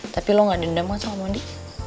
tapi lo gak dendam sama modi